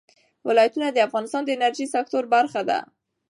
ولایتونه د افغانستان د انرژۍ سکتور برخه ده.